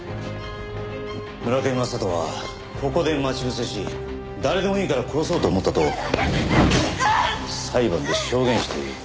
村上雅人はここで待ち伏せし誰でもいいから殺そうと思ったと裁判で証言している。